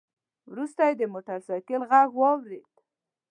وروسته يې د موټر سايکل غږ واورېد.